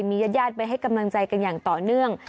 มีญาติไปให้กำลังใจกันอย่างต่อเนื่อง